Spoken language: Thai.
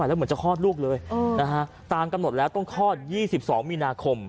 แล้วเหมือนจะคลอดลูกเลยตามกำหนดแล้วต้องคลอด๒๒มีนาคม